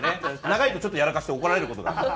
長いとちょっとやらかして怒られる事がある。